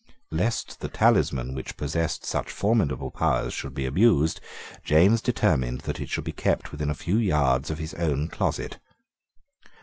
Lest the talisman which possessed such formidable powers should be abused, James determined that it should be kept within a few yards of his own closet.